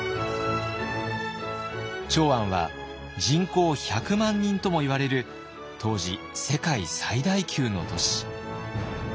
長安は人口１００万人ともいわれる当時世界最大級の都市。